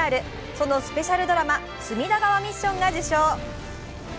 そのスペシャルドラマ「隅田川ミッション」が受賞。